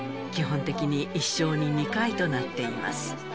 基本的に一生に２回となっています